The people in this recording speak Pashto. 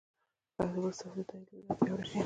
پښتو به ستاسو د تایید له لارې پیاوړې شي.